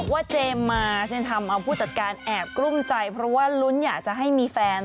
เจมส์มาสทำเอาผู้จัดการแอบกลุ้มใจเพราะว่าลุ้นอยากจะให้มีแฟน